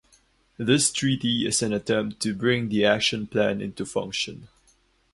This treaty is an attempt to bring the action plan into function.